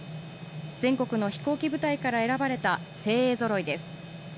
全国の飛行機部隊から選ばれた精鋭ぞろいです。